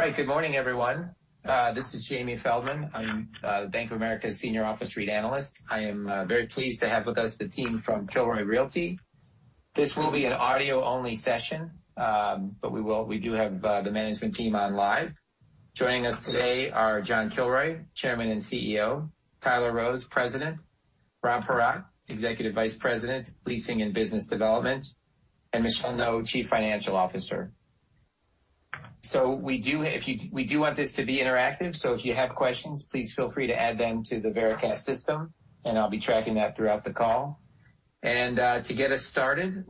All right. Good morning, everyone. This is Jamie Feldman. I'm Bank of America's Senior Office REIT Analyst. I am very pleased to have with us the team from Kilroy Realty. This will be an audio-only session, but we do have the management team on live. Joining us today are John Kilroy, Chairman and CEO, Tyler Rose, President, Rob Paratte, Executive Vice President, Leasing and Business Development, and Michelle Ngo, Chief Financial Officer. We do want this to be interactive, so if you have questions, please feel free to add them to the Veracast system, and I'll be tracking that throughout the call. To get us started,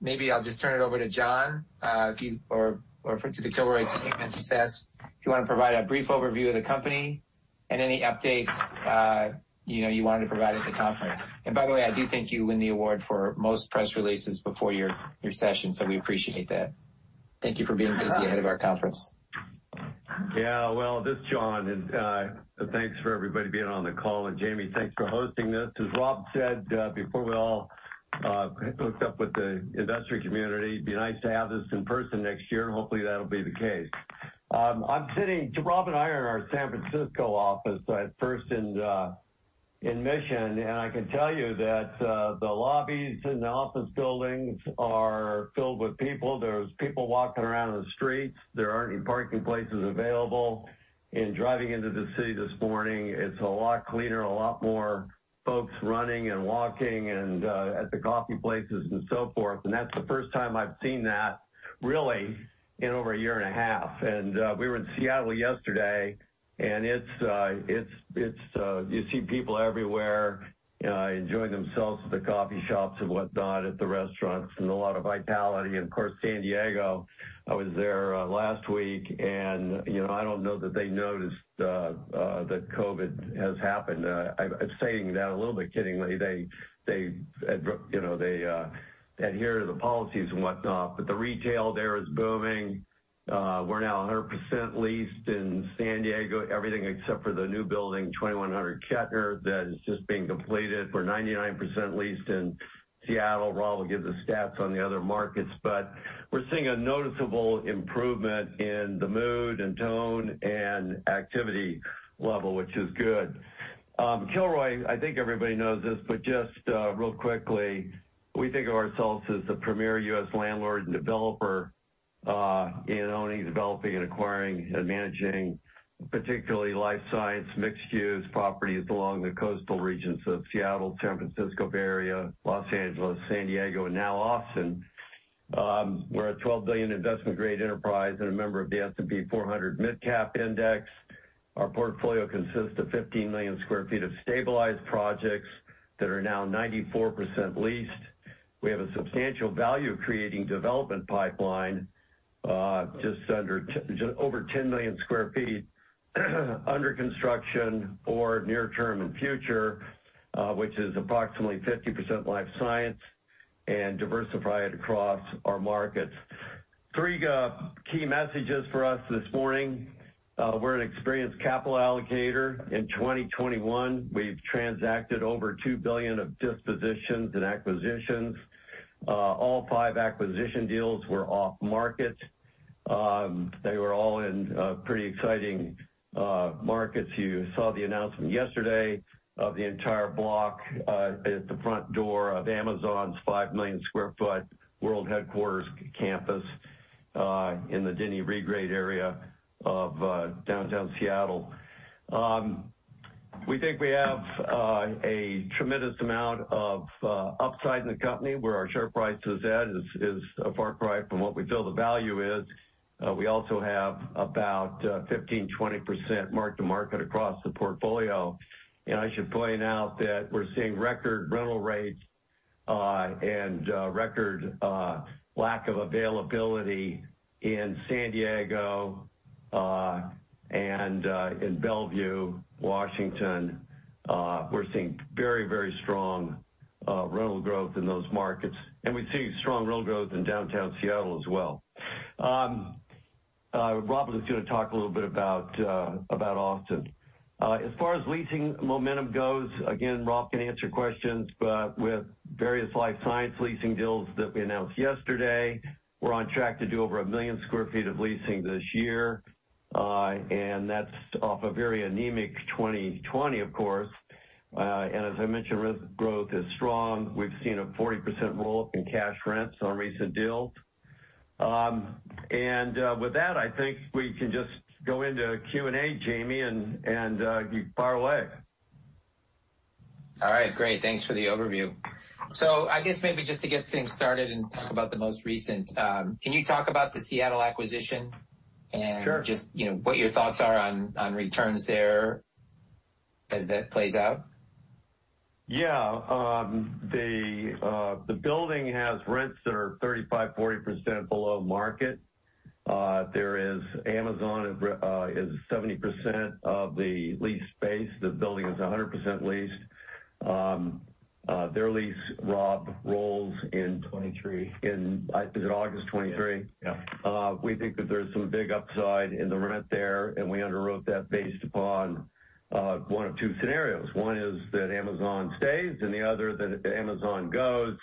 maybe I'll just turn it over to John or to the Kilroy team, I should say. If you want to provide a brief overview of the company and any updates you wanted to provide at the conference. By the way, I do think you win the award for most press releases before your session. We appreciate that. Thank you for being busy ahead of our conference. Well, this is John, thanks for everybody being on the call. Jamie, thanks for hosting this. As Rob said before we all hooked up with the industry community, it'd be nice to have this in person next year, hopefully that'll be the case. Rob and I are in our San Francisco office at First and Mission, I can tell you that the lobbies in the office buildings are filled with people. There's people walking around the streets. There aren't any parking places available. Driving into the city this morning, it's a lot cleaner, a lot more folks running and walking and at the coffee places and so forth. That's the first time I've seen that really in over a year and a half. We were in Seattle yesterday, you see people everywhere enjoying themselves at the coffee shops and [whatnot], at the restaurants, a lot of vitality. Of course, San Diego, I was there last week, I don't know that they noticed that COVID has happened. I'm saying that a little bit kiddingly. They adhere to the policies and whatnot, but the retail there is booming. We're now 100% leased in San Diego. Everything except for the new building, 2100 Kettner, that is just being completed. We're 99% leased in Seattle. Rob will give the stats on the other markets. We're seeing a noticeable improvement in the mood and tone and activity level, which is good. Kilroy, I think everybody knows this, but just real quickly, we think of ourselves as the premier U.S. landlord and developer in owning, developing, and acquiring and managing particularly life science, mixed-use properties along the coastal regions of Seattle, San Francisco Bay Area, Los Angeles, San Diego, and now Austin. We're a $12 billion investment-grade enterprise and a member of the S&P MidCap 400 Index. Our portfolio consists of 15 million sq ft of stabilized projects that are now 94% leased. We have a substantial value of creating development pipeline, just over 10 million sq ft under construction or near-term and future, which is approximately 50% life science and diversified across our markets. Three key messages for us this morning. We're an experienced capital allocator. In 2021, we've transacted over $2 billion of dispositions and acquisitions. All five acquisition deals were off-market. They were all in pretty exciting markets. You saw the announcement yesterday of the entire block at the front door of Amazon's 5 million sq ft world headquarters campus in the Denny Regrade area of downtown Seattle. We think we have a tremendous amount of upside in the company, where our share price is at is a far cry from what we feel the value is. We also have about 15%-20% mark-to-market across the portfolio. I should point out that we're seeing record rental rates and record lack of availability in San Diego and in Bellevue, Washington. We're seeing very strong rental growth in those markets, and we're seeing strong rental growth in downtown Seattle as well. Rob is going to talk a little bit about Austin. As far as leasing momentum goes, again, Rob can answer questions, but with various life science leasing deals that we announced yesterday, we're on track to do over a million sq ft of leasing this year. That's off a very anemic 2020, of course. As I mentioned, rent growth is strong. We've seen a 40% roll-up in cash rents on recent deals. With that, I think we can just go into Q and A, Jamie, and you fire away. All right, great. Thanks for the overview. I guess maybe just to get things started and talk about the most recent, can you talk about the Seattle acquisition? Sure Just what your thoughts are on returns there as that plays out? Yeah. The building has rents that are 35%, 40% below market. Amazon is 70% of the leased space. The building is 100% leased. Their lease, Rob, rolls in- 23 Is it August 23? Yeah. We think that there's some big upside in the rent there, and we underwrote that based upon one of two scenarios. One is that Amazon stays, and the other that Amazon goes.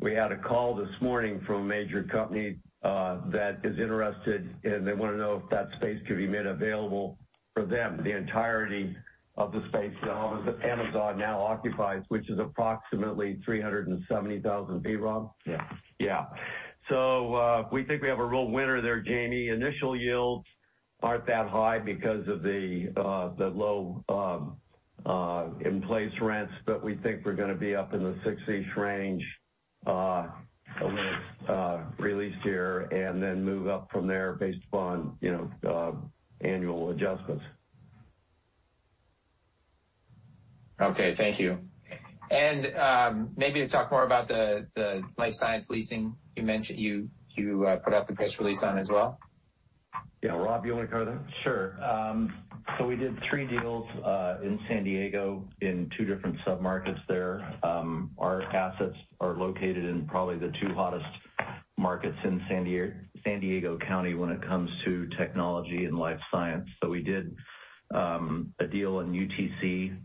We had a call this morning from a major company that is interested, and they want to know if that space could be made available for them, the entirety of the space that Amazon now occupies, which is approximately 370,000 [Rob]. Yeah. Yeah. We think we have a real winner there, Jamie. Initial yields aren't that high because of the low in-place rents, but we think we're going to be up in the six-ish range when it's released here, and then move up from there based upon annual adjustments. Okay, thank you. Maybe to talk more about the life science leasing you mentioned you put out the press release on as well. Yeah. Rob, you want to cover that? Sure. We did three deals in San Diego in two different sub-markets there. Our assets are located in probably the two hottest markets in San Diego County when it comes to technology and life science. We did a deal in UTC,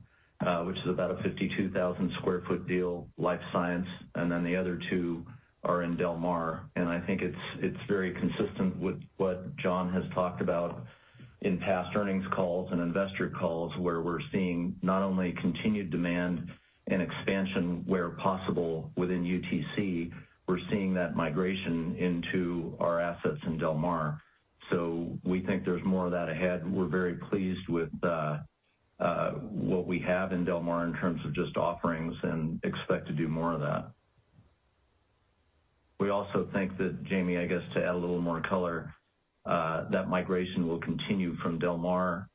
which is about a 52,000 sq ft deal, life science, and then the other two are in Del Mar. I think it's very consistent with what John has talked about in past earnings calls and investor calls, where we're seeing not only continued demand and expansion where possible within UTC, we're seeing that migration into our assets in Del Mar. We think there's more of that ahead. We're very pleased with what we have in Del Mar in terms of just offerings, and expect to do more of that. We also think that, Jamie, I guess, to add a little more color, that migration will continue from Del Mar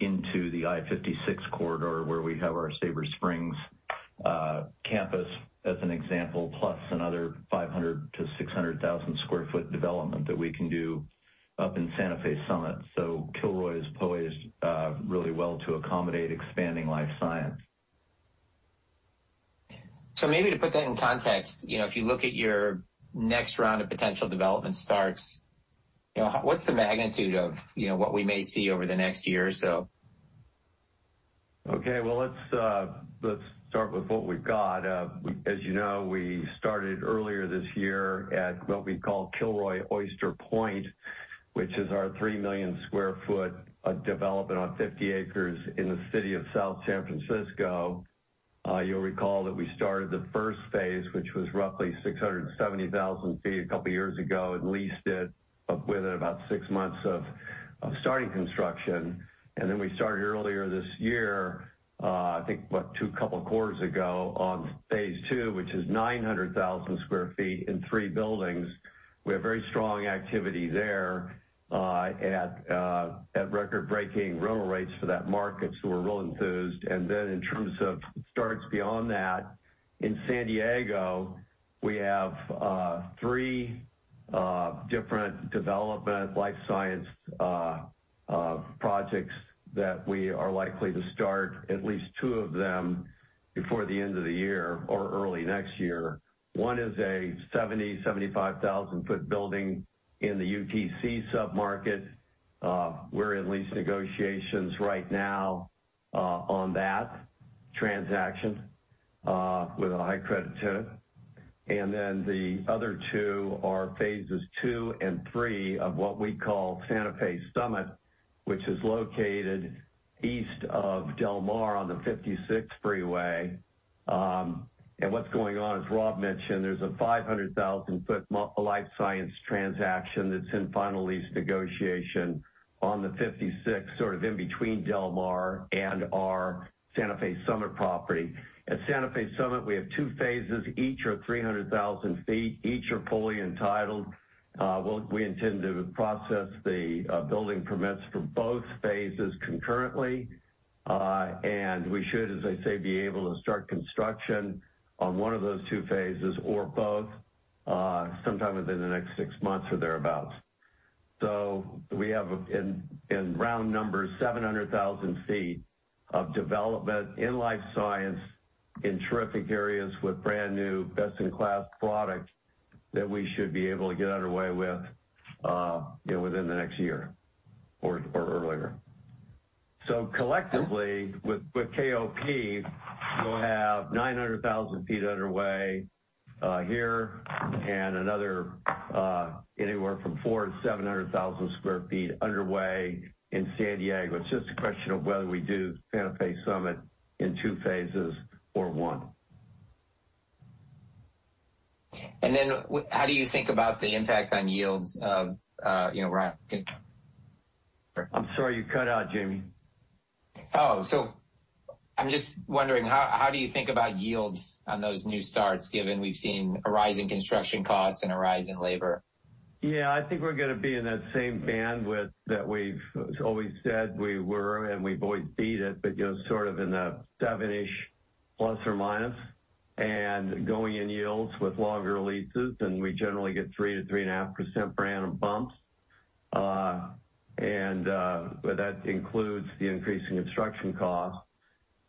into the I-56 corridor, where we have our Sabre Springs campus, as an example, plus another 500,000 sq ft-600,000 sq ft development that we can do up in Santa Fe Summit. Kilroy is poised really well to accommodate expanding life science. Maybe to put that in context, if you look at your next round of potential development starts, what's the magnitude of what we may see over the next year or so? Okay. Well, let's start with what we've got. As you know, we started earlier this year at what we call Kilroy Oyster Point, which is our 3 million sq ft development on 50 acres in the city of South San Francisco. You'll recall that we started the first phase, which was roughly 670,000 sq ft, two years ago, and leased it up within about six months of starting construction. Then we started earlier this year, I think, two quarters ago, on phase two, which is 900,000 sq ft in three buildings. We have very strong activity there at record-breaking rental rates for that market, we're real enthused. In terms of starts beyond that, in San Diego, we have three different development life science projects that we are likely to start at least two of them before the end of the year or early next year. One is a 70,000 ft, 75,000 ft building in the UTC sub-market. We're in lease negotiations right now on that transaction with a high-credit tenant. The other two are phases two and three of what we call Santa Fe Summit, which is located east of Del Mar on the 56 freeway. What's going on, as Rob mentioned, there's a 500,000 sq ft life science transaction that's in final lease negotiation on the 56, sort of in between Del Mar and our Santa Fe Summit property. At Santa Fe Summit, we have two phases, each are 300,000 sq ft, each are fully entitled. We intend to process the building permits for both phases concurrently. We should, as I say, be able to start construction on one of those two phases or both, sometime within the next six months or thereabout. We have, in round numbers, 700,000 ft of development in life science in terrific areas with brand-new, best-in-class product that we should be able to get underway with within the next year or earlier. Collectively, with KOP, we'll have 900,000 ft underway here and another anywhere from four to 700,000 sq ft underway in San Diego. It's just a question of whether we do Santa Fe Summit in two phases or one. How do you think about the impact on yields of? I'm sorry, you cut out, Jamie. I'm just wondering how do you think about yields on those new starts, given we've seen a rise in construction costs and a rise in labor? Yeah, I think we're going to be in that same bandwidth that we've always said we were, and we've always beat it, but sort of in the seven-ish, plus or minus. Going in yields with longer leases, and we generally get 3%-3.5% random bumps. That includes the increase in construction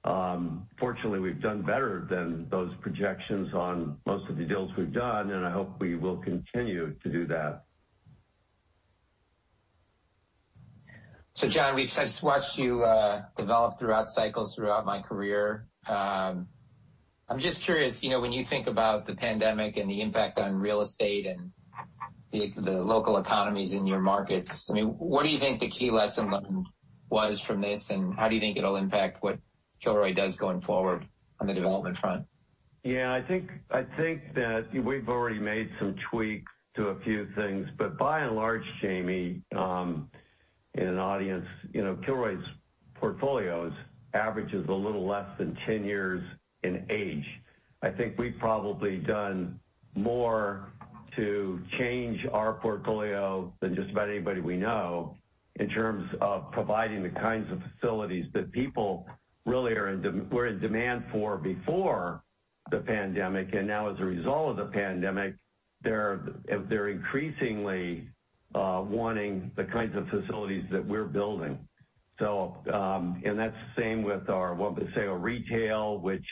cost. Fortunately, we've done better than those projections on most of the deals we've done, and I hope we will continue to do that. John, I've just watched you develop throughout cycles throughout my career. I'm just curious, when you think about the pandemic and the impact on real estate and the local economies in your markets, what do you think the key lesson was from this, and how do you think it'll impact what Kilroy does going forward on the development front? Yeah, I think that we've already made some tweaks to a few things. By and large, Jamie, in an audience, Kilroy's portfolios averages a little less than 10 years in age. I think we've probably done more to change our portfolio than just about anybody we know in terms of providing the kinds of facilities that people really were in demand for before the pandemic. Now as a result of the pandemic, they're increasingly wanting the kinds of facilities that we're building. That's the same with our One Paseo retail, which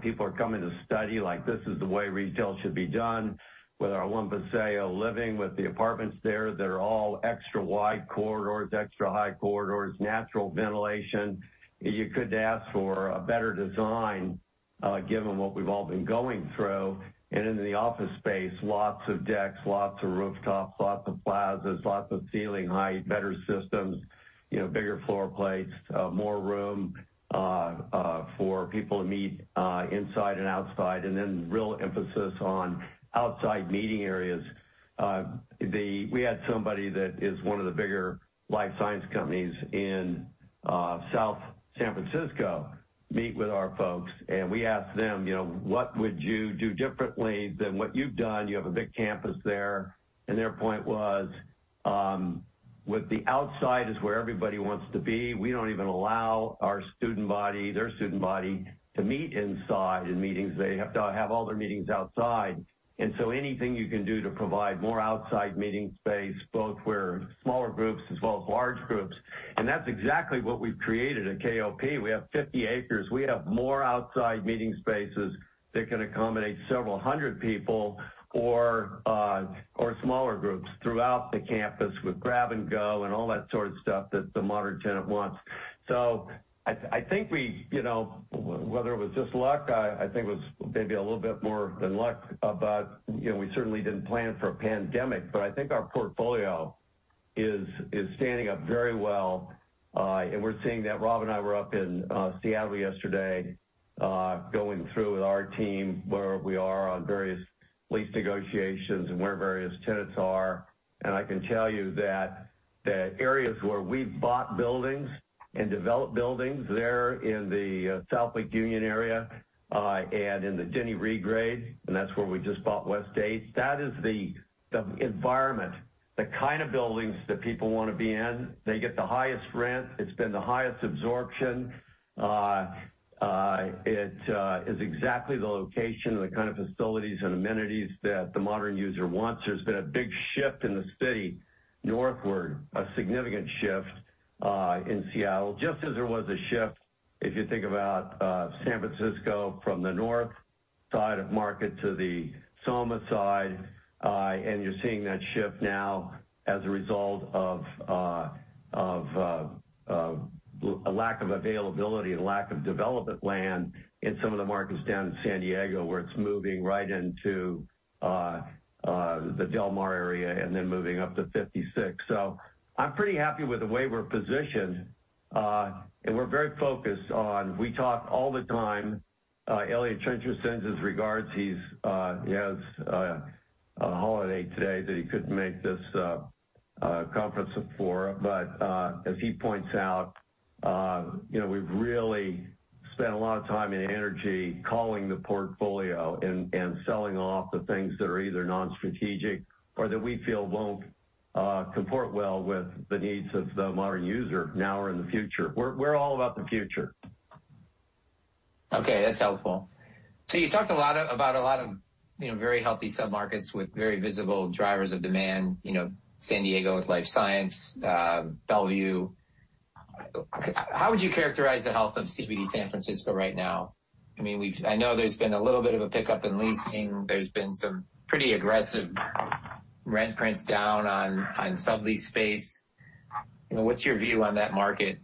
people are coming to study like this is the way retail should be done. With our One Paseo Living, with the apartments there that are all extra wide corridors, extra high corridors, natural ventilation. You couldn't ask for a better design, given what we've all been going through. In the office space, lots of decks, lots of rooftops, lots of plazas, lots of ceiling height, better systems, bigger floor plates, more room for people to meet inside and outside. Real emphasis on outside meeting areas. We had somebody that is one of the bigger life science companies in South San Francisco meet with our folks, and we asked them, "What would you do differently than what you've done? You have a big campus there." Their point was, with the outside is where everybody wants to be. We don't even allow their student body to meet inside in meetings. They have to have all their meetings outside. Anything you can do to provide more outside meeting space, both where smaller groups as well as large groups. That's exactly what we've created at KOP. We have 50 acres. We have more outside meeting spaces that can accommodate several hundred people or smaller groups throughout the campus with grab and go and all that sort of stuff that the modern tenant wants. I think whether it was just luck, I think it was maybe a little bit more than luck. We certainly didn't plan for a pandemic. I think our portfolio is standing up very well. We're seeing that Rob and I were up in Seattle yesterday, going through with our team where we are on various lease negotiations and where various tenants are. I can tell you that areas where we've bought buildings and developed buildings there in the South Lake Union area, and in the Denny Regrade, and that's where we just bought West 8th. That is the environment, the kind of buildings that people want to be in. They get the highest rent. It's been the highest absorption. It is exactly the location and the kind of facilities and amenities that the modern user wants. There's been a big shift in the city northward, a significant shift, in Seattle, just as there was a shift if you think about San Francisco from the north side of Market to the Soma side. You're seeing that shift now as a result of a lack of availability and lack of development land in some of the markets down in San Diego, where it's moving right into the Del Mar area and then moving up to 56. I'm pretty happy with the way we're positioned. We're very focused on, we talk all the time. Eliott Trencher sends his regards. He has a holiday today that he couldn't make this conference call for. As he points out, we've really spent a lot of time and energy culling the portfolio and selling off the things that are either non-strategic or that we feel won't comport well with the needs of the modern user now or in the future. We're all about the future. Okay, that's helpful. You talked about a lot of very healthy sub-markets with very visible drivers of demand, San Diego with life science, Bellevue. How would you characterize the health of [sublease] San Francisco right now? I know there's been a little bit of a pickup in leasing. There's been some pretty aggressive rent prints down on sublease space. What's your view on that market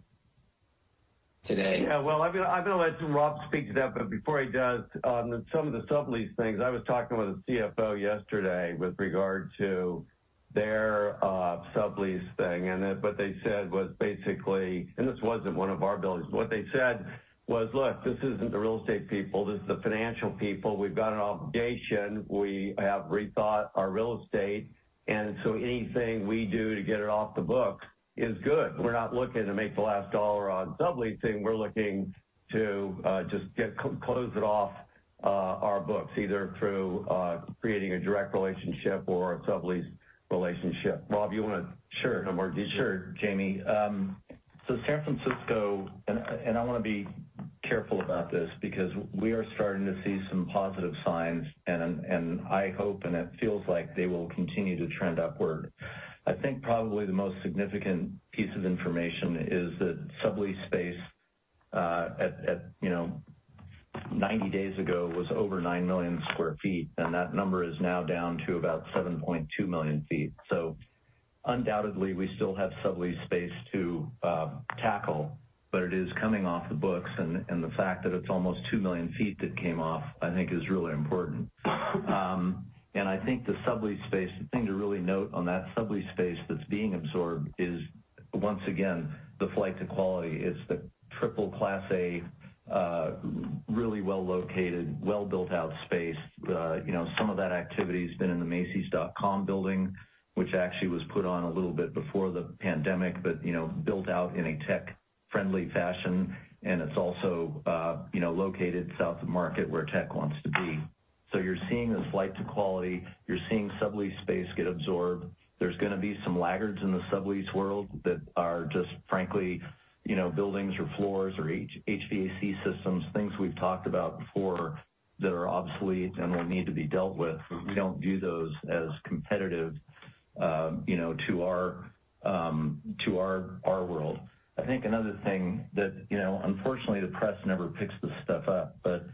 today? Yeah. Well, I'm going to let Rob speak to that. Before he does, on some of the sublease things, I was talking with a CFO yesterday with regard to their sublease thing, and what they said was basically, and this wasn't one of our buildings. What they said was, "Look, this isn't the real estate people, this is the financial people. We've got an obligation. We have rethought our real estate. Anything we do to get it off the books is good. We're not looking to make the last dollar on subleasing. We're looking to just close it off our books, either through creating a direct relationship or a sublease relationship." Rob, you want to go more in detail? Sure, Jamie. San Francisco, and I want to be careful about this because we are starting to see some positive signs, and I hope, and it feels like they will continue to trend upward. I think probably the most significant piece of information is that sublease space 90 days ago was over 9 million sq ft, and that number is now down to about 7.2 million sq ft. Undoubtedly, we still have sublease space to tackle, but it is coming off the books, and the fact that it's almost 2 million sq ft that came off, I think is really important. I think the sublease space, the thing to really note on that sublease space that's being absorbed is, once again, the flight to quality. It's the triple Class A, really well-located, well-built-out space. Some of that activity has been in the Macy's.com building, which actually was put on a little bit before the pandemic, but built out in a tech-friendly fashion. It's also located south of market where tech wants to be. You're seeing this flight to quality. You're seeing sublease space get absorbed. There's going to be some laggards in the sublease world that are just, frankly, buildings or floors or HVAC systems, things we've talked about before that are obsolete and will need to be dealt with. We don't view those as competitive to our world. I think another thing that, unfortunately, the press never picks this stuff up, but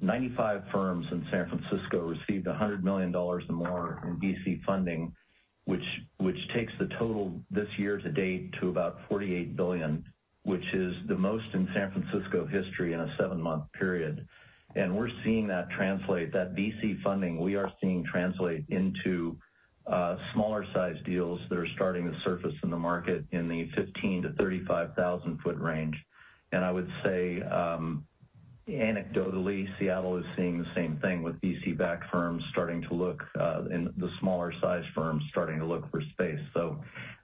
95 firms in San Francisco received $100 million or more in VC funding, which takes the total this year to date to about $48 billion, which is the most in San Francisco history in a seven-month period. We're seeing that translate. That VC funding, we are seeing translate into smaller size deals that are starting to surface in the market in the 15,000 ft-35,000 ft range. I would say, anecdotally, Seattle is seeing the same thing with VC-backed firms starting to look, and the smaller size firms starting to look for space.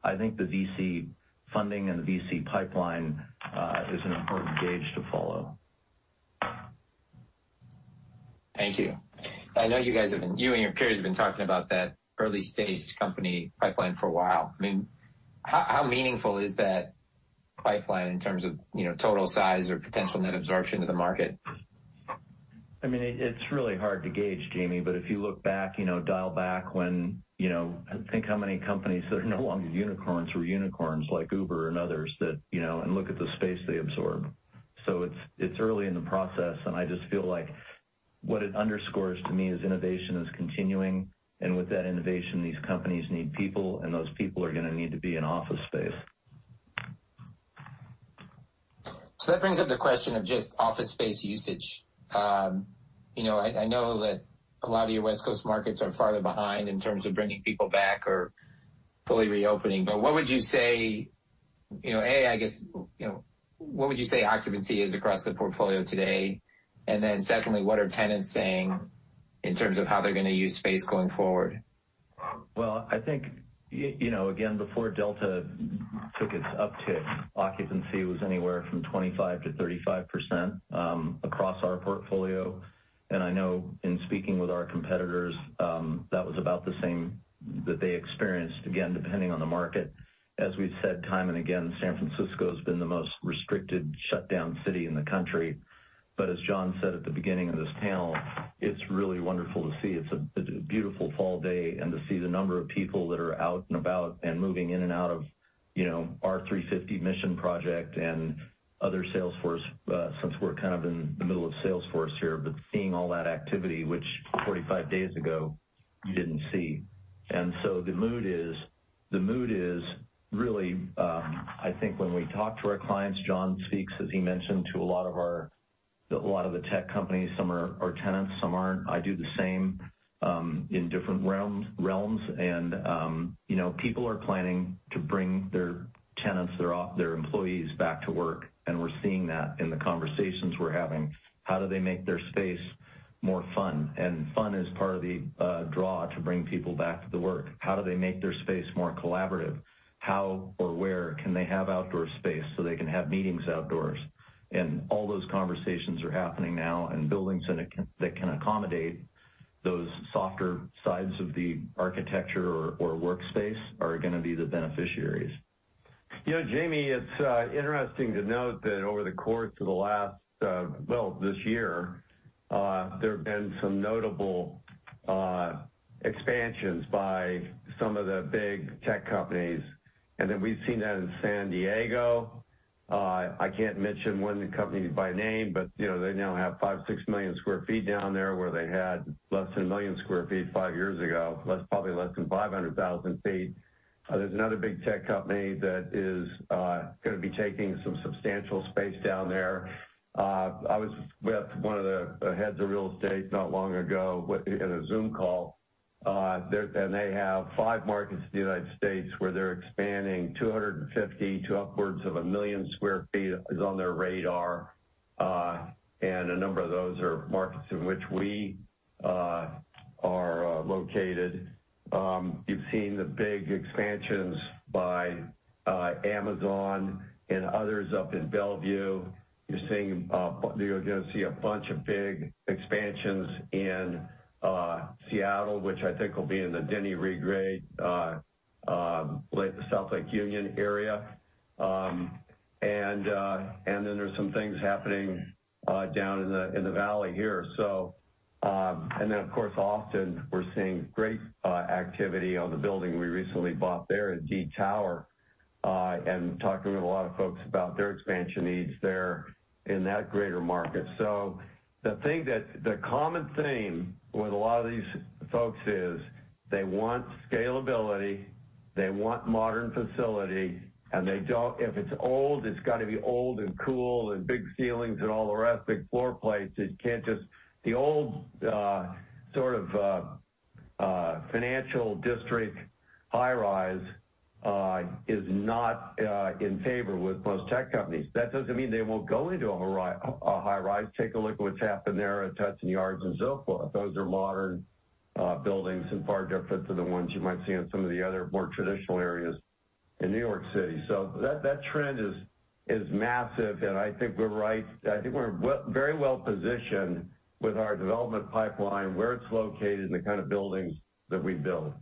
I think the VC funding and the VC pipeline is an important gauge to follow. Thank you. I know you and your peers have been talking about that early stage company pipeline for a while. How meaningful is that pipeline in terms of total size or potential net absorption to the market? It's really hard to gauge, Jamie. If you look back, dial back when, think how many companies that are no longer unicorns were unicorns, like Uber and others, and look at the space they absorb. It's early in the process, and I just feel like what it underscores to me is innovation is continuing, and with that innovation, these companies need people, and those people are going to need to be in office space. That brings up the question of just office space usage. I know that a lot of your West Coast markets are farther behind in terms of bringing people back or fully reopening. What would you say, I guess, what would you say occupancy is across the portfolio today? Secondly, what are tenants saying in terms of how they're going to use space going forward? Well, I think, again, before Delta took its uptick, occupancy was anywhere from 25%-35% across our portfolio. I know in speaking with our competitors, that was about the same that they experienced, again, depending on the market. As we've said time and again, San Francisco has been the most restricted, shut down city in the country. As John said at the beginning of this panel, it's really wonderful to see. It's a beautiful fall day, and to see the number of people that are out and about and moving in and out of our 350 Mission project and other Salesforce, since we're kind of in the middle of Salesforce here. Seeing all that activity, which 45 days ago you didn't see. The mood is really, I think when we talk to our clients, John speaks, as he mentioned, to a lot of the tech companies. Some are our tenants, some aren't. I do the same in different realms. People are planning to bring their tenants, their employees back to work, and we're seeing that in the conversations we're having. How do they make their space more fun? Fun is part of the draw to bring people back to the work. How do they make their space more collaborative? How or where can they have outdoor space so they can have meetings outdoors? All those conversations are happening now, and buildings that can accommodate those softer sides of the architecture or workspace are going to be the beneficiaries. Jamie, it's interesting to note that over the course of the last, well, this year, there have been some notable expansions by some of the big tech companies. Then we've seen that in San Diego. I can't mention one of the companies by name, but they now have 5 million, 6 million sq ft down there, where they had less than 1 million sq ft, five years ago. Probably less than 500,000 ft. There's another big tech company that is going to be taking some substantial space down there. I was with one of the heads of real estate not long ago in a Zoom call, and they have five markets in the United States where they're expanding 250 to upwards of a million square feet is on their radar. A number of those are markets in which we are located. You've seen the big expansions by Amazon and others up in Bellevue. You're going to see a bunch of big expansions in Seattle, which I think will be in the Denny Regrade, South Lake Union area. There's some things happening down in the valley here. Of course, Austin, we're seeing great activity on the building we recently bought there at Indeed Tower. Talking with a lot of folks about their expansion needs there in that greater market. The common theme with a lot of these folks is they want scalability, they want modern facility, and if it's old, it's got to be old and cool and big ceilings and all the rest, big floor plates. The old sort of financial district high-rise is not in favor with most tech companies. That doesn't mean they won't go into a high-rise. Take a look at what's happened there at Hudson Yards and [so far]. Those are modern buildings and far different to the ones you might see in some of the other more traditional areas in New York City. That trend is massive, and I think we're very well positioned with our development pipeline, where it's located, and the kind of buildings that we build.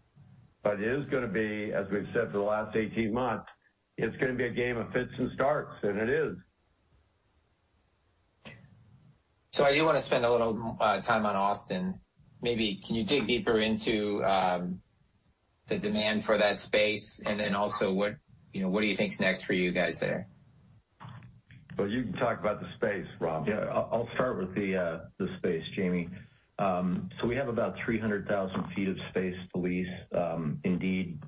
It is going to be, as we've said for the last 18 months, it's going to be a game of fits and starts, and it is. I do want to spend a little time on Austin. Maybe can you dig deeper into the demand for that space? What do you think is next for you guys there? Well, you can talk about the space, Rob. Yeah. I'll start with the space, Jamie. We have about 300,000 ft of space to lease. Indeed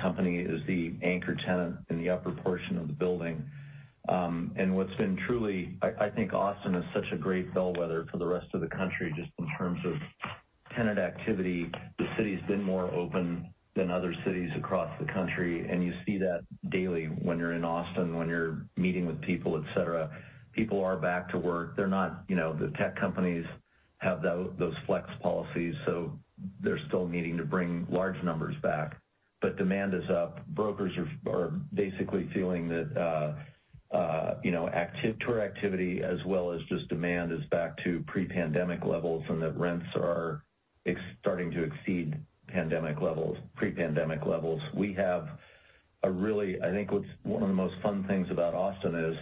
company is the anchor tenant in the upper portion of the building. What's been truly, I think Austin is such a great bellwether for the rest of the country, just in terms of tenant activity. The city's been more open than other cities across the country, and you see that daily when you're in Austin, when you're meeting with people, et cetera. People are back to work. The tech companies have those flex policies, so they're still needing to bring large numbers back. Demand is up. Brokers are basically feeling that tour activity as well as just demand is back to pre-pandemic levels, and that rents are starting to exceed pre-pandemic levels. I think what's one of the most fun things about Austin is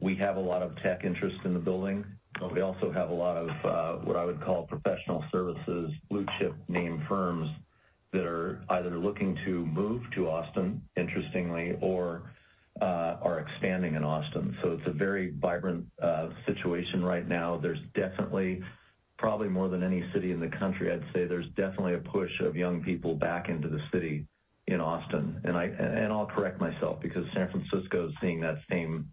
we have a lot of tech interest in the building, but we also have a lot of what I would call professional services, blue-chip name firms that are either looking to move to Austin, interestingly, or are expanding in Austin. It's a very vibrant situation right now. There's definitely, probably more than any city in the country, I'd say there's definitely a push of young people back into the city in Austin. I'll correct myself because San Francisco is seeing that same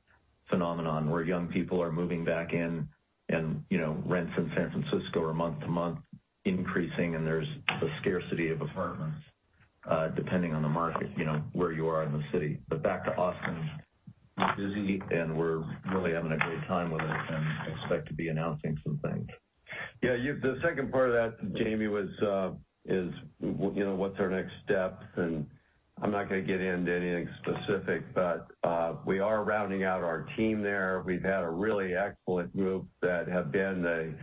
phenomenon where young people are moving back in and rents in San Francisco are month to month increasing, and there's a scarcity of apartments depending on the market, where you are in the city. Back to Austin, we're busy, and we're really having a great time with it and expect to be announcing some things. Yeah. The second part of that, Jamie, is what's our next steps, and I'm not going to get into anything specific, but we are rounding out our team there. We've had a really excellent group that have been the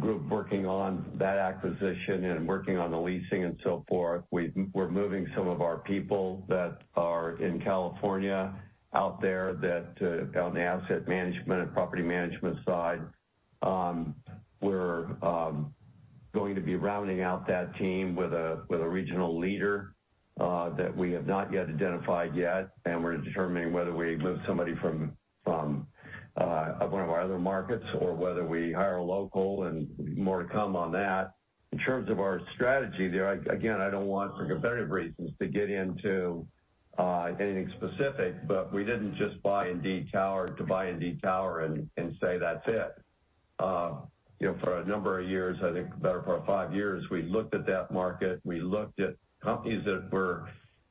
group working on that acquisition and working on the leasing and so forth. We're moving some of our people that are in California out there on the asset management and property management side. We're going to be rounding out that team with a regional leader that we have not yet identified yet. We're determining whether we move somebody from one of our other markets or whether we hire local and more to come on that. In terms of our strategy there, again, I don't want for competitive reasons to get into anything specific, but we didn't just buy Indeed Tower to buy Indeed Tower and say that's it. For a number of years, I think the better part of five years, we looked at that market. We looked at companies that were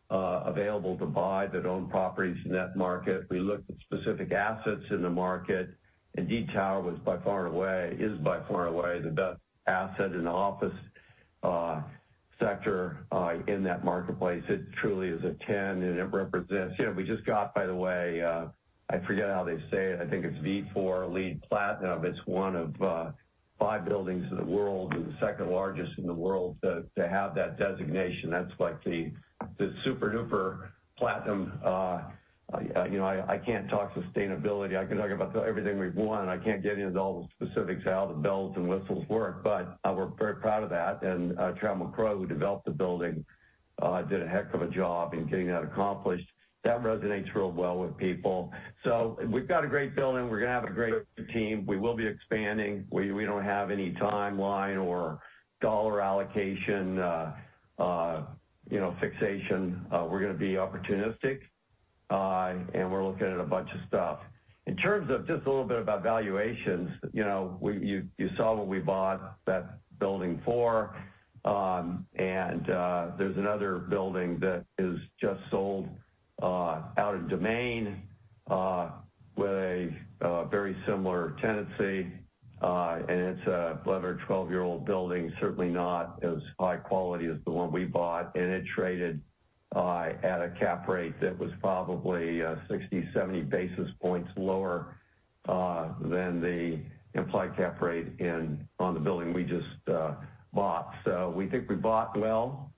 available to buy that own properties in that market. We looked at specific assets in the market. Indeed Tower is by far away the best asset in the office sector in that marketplace. It truly is a 10. We just got, by the way I forget how they say it, I think it's v4 LEED Platinum. It's one of five buildings in the world, and the second largest in the world to have that designation. That's like the super-duper platinum. I can't talk sustainability. I can talk about everything we've won. I can't get into all the specifics of how the bells and whistles work, but we're very proud of that. Trammell Crow, who developed the building, did a heck of a job in getting that accomplished. That resonates real well with people. We've got a great building. We're going to have a great team. We will be expanding. We don't have any timeline or dollar allocation fixation. We're going to be opportunistic. We're looking at a bunch of stuff. In terms of just a little bit about valuations, you saw what we bought that building for. There's another building that is just sold out in Domain with a very similar tenancy. It's a 12-year-old building, certainly not as high quality as the one we bought. It traded at a cap rate that was probably 60, 70 basis points lower than the implied cap rate on the building we just bought. We think we bought well,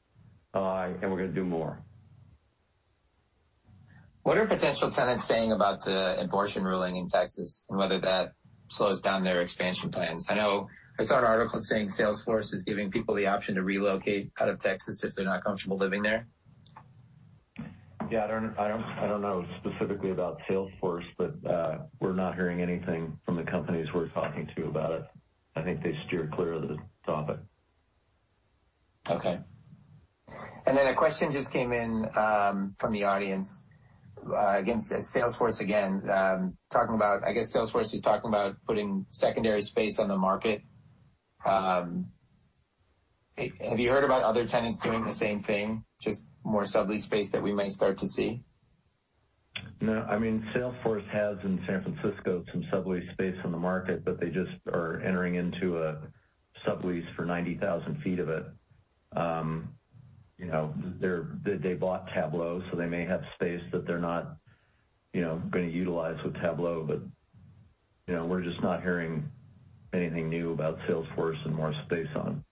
and we're going to do more. What are potential tenants saying about the abortion ruling in Texas, and whether that slows down their expansion plans? I know I saw an article saying Salesforce is giving people the option to relocate out of Texas if they're not comfortable living there. Yeah, I don't know specifically about Salesforce, but we're not hearing anything from the companies we're talking to about it. I think they steer clear of the topic. Okay. Then a question just came in from the audience. Again, it's Salesforce again. I guess Salesforce is talking about putting secondary space on the market. Have you heard about other tenants doing the same thing, just more sublease space that we might start to see? No. Salesforce has, in San Francisco, some sublease space on the market, but they just are entering into a sublease for 90,000 ft of it. They bought Tableau, so they may have space that they're not going to utilize with Tableau, but we're just not hearing anything new about Salesforce and more space on.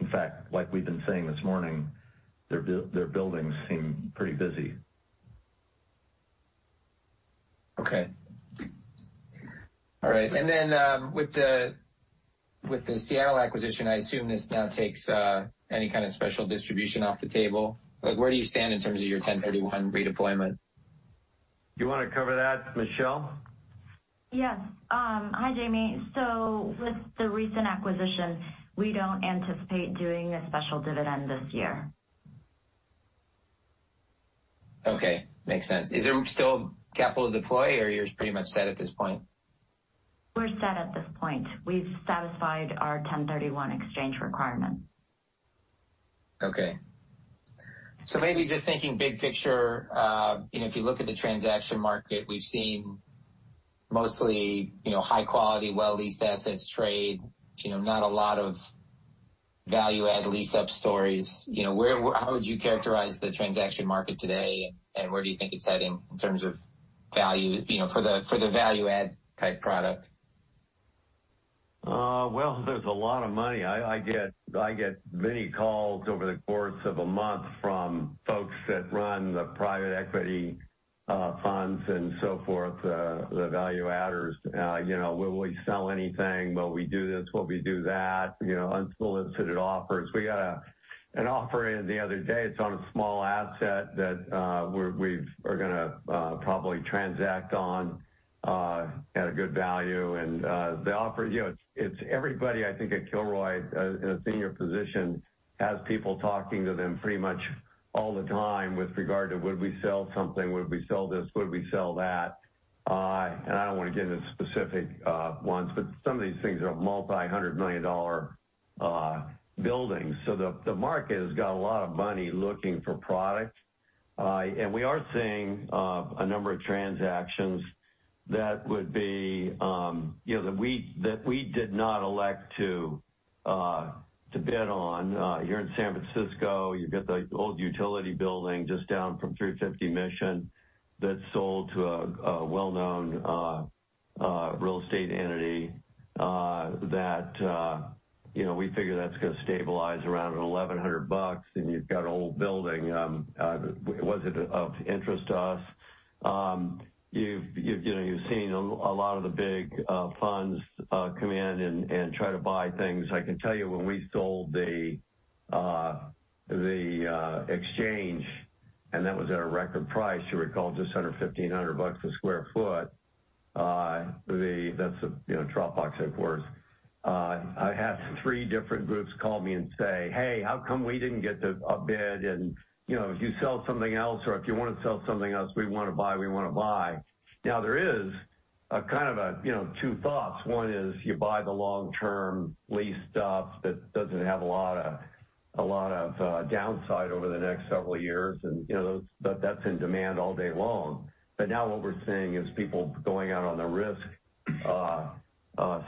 In fact, like we've been saying this morning, their buildings seem pretty busy. Okay. All right. With the Seattle acquisition, I assume this now takes any kind of special distribution off the table. Where do you stand in terms of your 1031 redeployment? You want to cover that, Michelle? Yes. Hi, Jamie. With the recent acquisition, we don't anticipate doing a special dividend this year. Okay. Makes sense. Is there still capital to deploy, or you're pretty much set at this point? We're set at this point. We've satisfied our 1031 exchange requirement. Okay. Maybe just thinking big picture, if you look at the transaction market, we've seen mostly high-quality, well-leased assets trade, not a lot of value-add lease-up stories. How would you characterize the transaction market today, and where do you think it's heading in terms of for the value add type product? Well, there's a lot of money. I get many calls over the course of a month from folks that run the private equity funds and so forth, the value adders. Will we sell anything? Will we do this? Will we do that? Unsolicited offers. We got an offer in the other day. It's on a small asset that we are going to probably transact on at a good value. Everybody, I think, at Kilroy in a senior position has people talking to them pretty much all the time with regard to would we sell something, would we sell this, would we sell that. I don't want to get into specific ones, but some of these things are multi-hundred million dollar buildings. The market has got a lot of money looking for product. We are seeing a number of transactions that we did not elect to bid on. Here in San Francisco, you've got the old utility building just down from 350 Mission that sold to a well-known real estate entity that we figure that's going to stabilize around $1,100, and you've got an old building. It wasn't of interest to us. You've seen a lot of the big funds come in and try to buy things. I can tell you when we sold The Exchange, and that was at a record price, you'll recall, just under $1,500 a square foot. That's Dropbox headquarters. I had three different groups call me and say, "Hey, how come we didn't get a bid?" "If you sell something else or if you want to sell something else, we want to buy." Now, there is kind of two thoughts. one is you buy the long-term leased stuff that doesn't have a lot of downside over the next several years, and that's in demand all day long. Now what we're seeing is people going out on the risk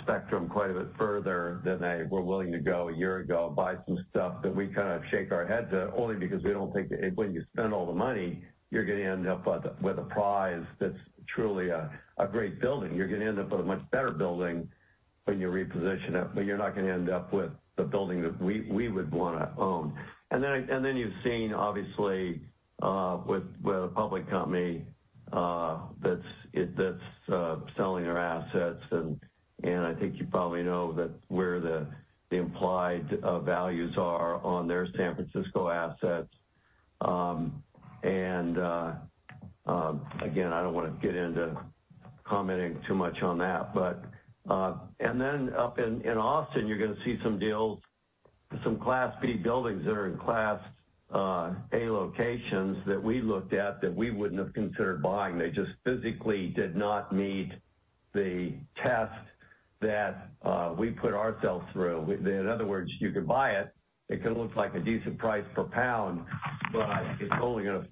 spectrum quite a bit further than they were willing to go a year ago, buy some stuff that we kind of shake our heads at, only because we don't think that when you spend all the money, you're going to end up with a prize that's truly a great building. You're going to end up with a much better building when you reposition it, but you're not going to end up with the building that we would want to own. Then you've seen, obviously, with a public company that's selling their assets, and I think you probably know where the implied values are on their San Francisco assets. Again, I don't want to get into commenting too much on that. Up in Austin, you're going to see some deals, some Class B buildings that are in Class A locations that we looked at that we wouldn't have considered buying. They just physically did not meet the test that we put ourselves through. In other words, you could buy it. It could look like a decent price per pound, but it's only going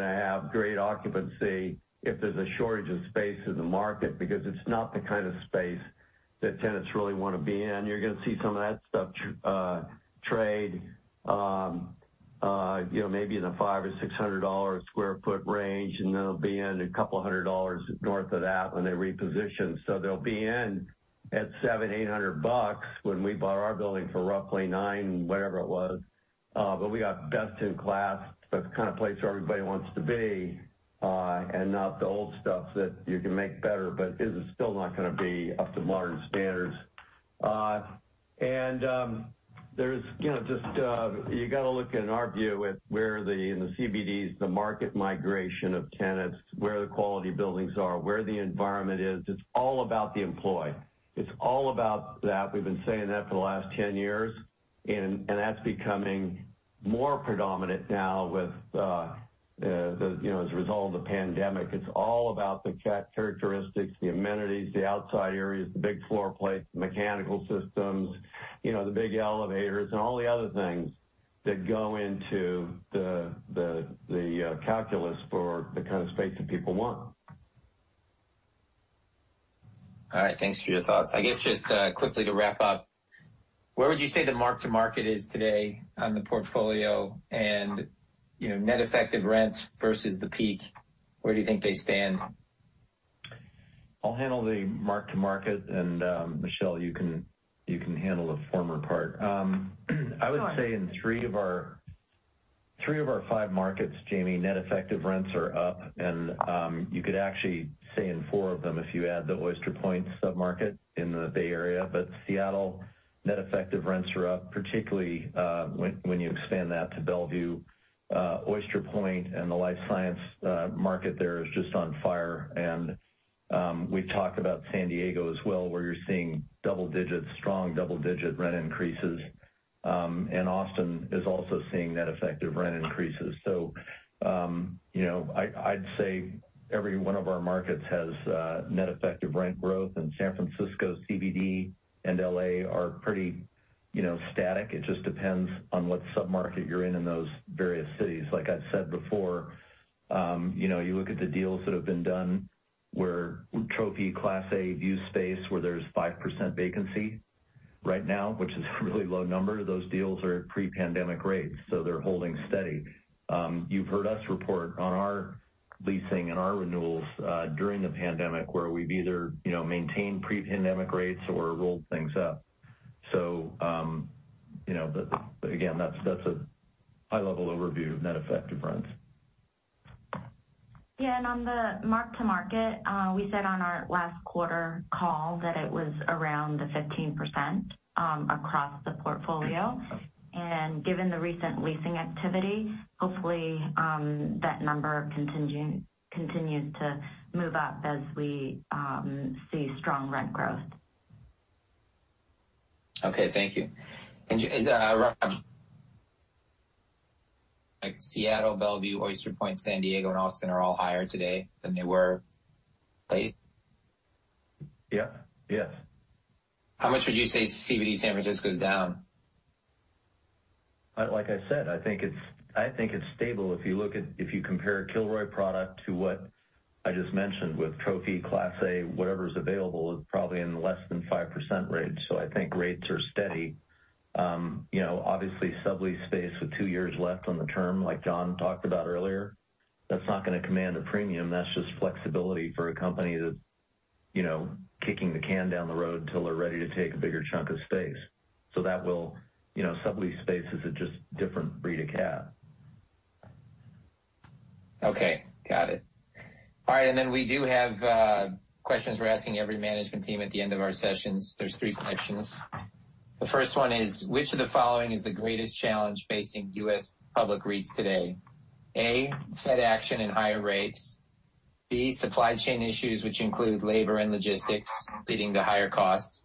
to have great occupancy if there's a shortage of space in the market because it's not the kind of space that tenants really want to be in. You're going to see some of that stuff trade maybe in the $500 or $600 a square foot range, and they'll be in a couple hundred dollars north of that when they reposition. At $700, $800 when we bought our building for roughly nine, whatever it was. We got best in class, the kind of place where everybody wants to be, not the old stuff that you can make better, but it's still not going to be up to modern standards. You got to look in our view at where the CBDs, the market migration of tenants, where the quality buildings are, where the environment is. It's all about the employ. It's all about that. We've been saying that for the last 10 years, that's becoming more predominant now as a result of the pandemic. It's all about the characteristics, the amenities, the outside areas, the big floor plates, mechanical systems, the big elevators, and all the other things that go into the calculus for the kind of space that people want. All right. Thanks for your thoughts. I guess just quickly to wrap up, where would you say the mark to market is today on the portfolio and net effective rents versus the peak? Where do you think they stand? I'll handle the mark to market, and Michelle, you can handle the former part. Sure. I would say in three of our five markets, Jamie, net effective rents are up. You could actually say in four of them, if you add the Oyster Point sub-market in the Bay Area. Seattle, net effective rents are up, particularly when you expand that to Bellevue. Oyster Point and the life science market there is just on fire. We've talked about San Diego as well, where you're seeing strong double-digit rent increases. Austin is also seeing net effective rent increases. I'd say every one of our markets has net effective rent growth. San Francisco CBD and L.A. are pretty static. It just depends on what sub-market you're in in those various cities. Like I've said before, you look at the deals that have been done where trophy Class A view space, where there's 5% vacancy right now, which is a really low number. Those deals are at pre-pandemic rates, they're holding steady. You've heard us report on our leasing and our renewals during the pandemic, where we've either maintained pre-pandemic rates or rolled things up. Again, that's a high-level overview of net effective rents. Yeah. On the mark to market, we said on our last quarter call that it was around the 15% across the portfolio. Given the recent leasing activity, hopefully that number continues to move up as we see strong rent growth. Okay. Thank you. Rob, Seattle, Bellevue, Oyster Point, San Diego, and Austin are all higher today than they were late? Yeah. How much would you say CBD San Francisco is down? Like I said, I think it's stable. If you compare a Kilroy product to what I just mentioned with trophy class A, whatever's available is probably in less than 5% range. I think rates are steady. Obviously, sublease space with two years left on the term, like John talked about earlier, that's not going to command a premium. That's just flexibility for a company that's kicking the can down the road until they're ready to take a bigger chunk of space. Sublease space is a just different breed of cat. Okay. Got it. All right. Then we do have questions we're asking every management team at the end of our sessions. There's three questions. The first one is, which of the following is the greatest challenge facing U.S. public REITs today? A, Fed action and higher rates, B, supply chain issues, which include labor and logistics leading to higher costs,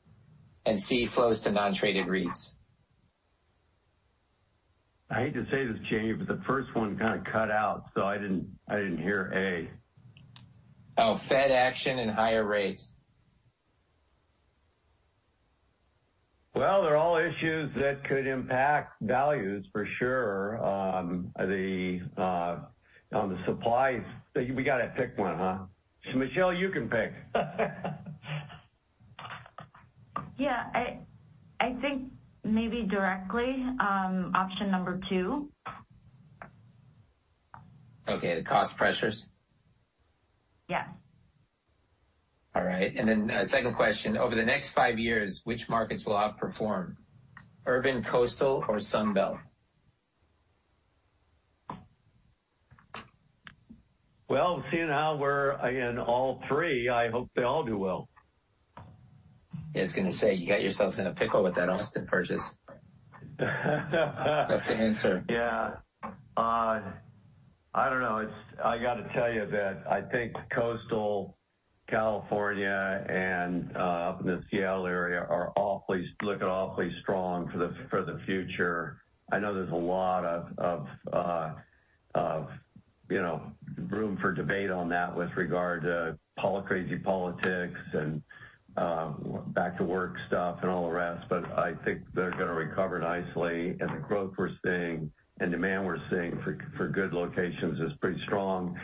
and C, flows to non-traded REITs. I hate to say this, Jamie, but the first one kind of cut out, so I didn't hear A. Oh, Fed action and higher rates. They're all issues that could impact values, for sure. On the supplies, we got to pick one, huh? Michelle, you can pick. Yeah. I think maybe directly, option number two. Okay. The cost pressures? Yeah. All right. A second question. Over the next five years, which markets will outperform: urban, coastal, or Sun Belt? Well, seeing how we're in all three, I hope they all do well. Yeah, I was going to say, you got yourselves in a pickle with that Austin purchase. You have to answer. Yeah. I don't know. I got to tell you that I think coastal California and up in the Seattle area are looking awfully strong for the future. I know there's a lot of room for debate on that with regard to crazy politics and back to work stuff and all the rest. I think they're going to recover nicely, and the growth we're seeing and demand we're seeing for good locations is pretty strong.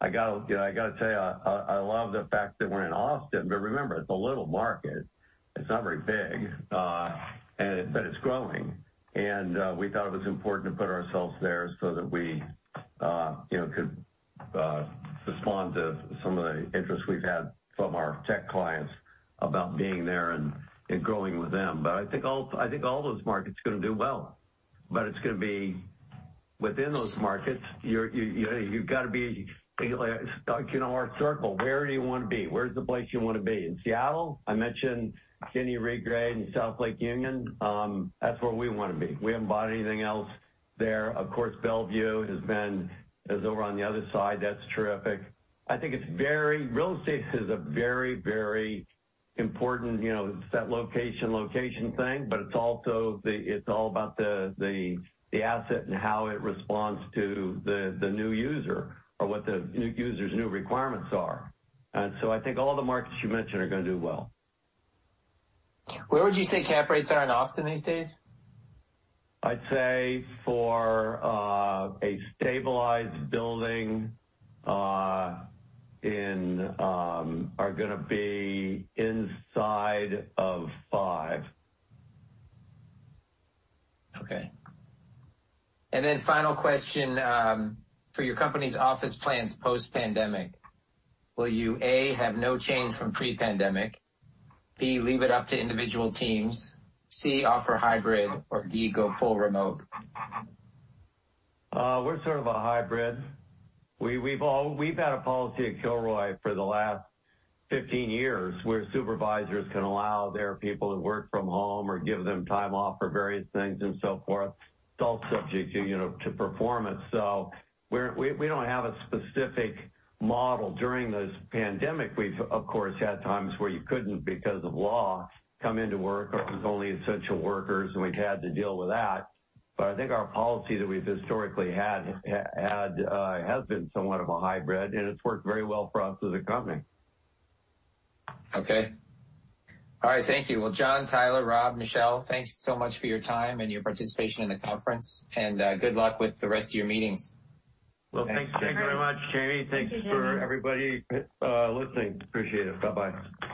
I got to tell you, I love the fact that we're in Austin, but remember, it's a little market. It's not very big. It's growing. We thought it was important to put ourselves there so that we could respond to some of the interest we've had from our tech clients about being there and growing with them. I think all those markets are going to do well, but it's going to be within those markets. You've got to be like, it's like a circle. Where do you want to be? Where's the place you want to be? In Seattle, I mentioned Denny Regrade and South Lake Union. That's where we want to be. We haven't bought anything else there. Of course, Bellevue is over on the other side. That's terrific. I think real estate is a very important, it's that location thing, but it's all about the asset and how it responds to the new user or what the new user's new requirements are. I think all the markets you mentioned are going to do well. Where would you say cap rates are in Austin these days? I'd say for a stabilized building, are going to be inside of five. Okay. Final question. For your company's office plans post-pandemic, will you, A, have no change from pre-pandemic, B, leave it up to individual teams, C, offer hybrid, or D, go full remote? We're sort of a hybrid. We've had a policy at Kilroy for the last 15 years, where supervisors can allow their people to work from home or give them time off for various things and so forth. It's all subject to performance. We don't have a specific model. During this pandemic, we've, of course, had times where you couldn't, because of law, come into work, or it was only essential workers, and we've had to deal with that. I think our policy that we've historically had, has been somewhat of a hybrid, and it's worked very well for us as a company. Okay. All right. Thank you. Well, John, Tyler, Rob, Michelle, thanks so much for your time and your participation in the conference, good luck with the rest of your meetings. Well, thanks very much, Jamie. Thanks for everybody listening. Appreciate it. Bye-bye.